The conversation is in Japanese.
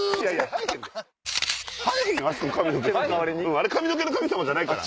あれ髪の毛の神様じゃないから！